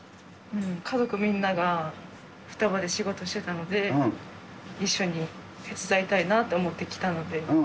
家族みんなが双葉で仕事してたので、一緒に手伝いたいなって思って来たので。